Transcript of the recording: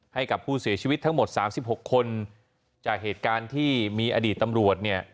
ให้กับผู้เสียชีวิตทั้งหมด๓๖คนจากเหตุการณ์ที่มีอดีตตำรวจ